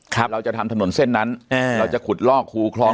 เราจะทำถนนเส้นนั้นอ่าเราจะขุดลอกคูคลอง